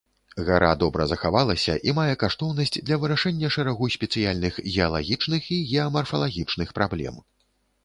Гара добра захавалася і мае каштоўнасць для вырашэння шэрагу спецыяльных геалагічных і геамарфалагічных праблем.